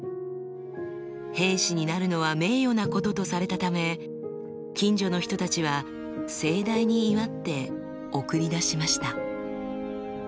兵士になるのは名誉なこととされたため近所の人たちは盛大に祝って送り出しました。